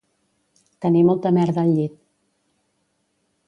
Tenir molta merda al llit